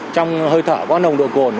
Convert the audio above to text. trong hơi thở có nồng độ cồn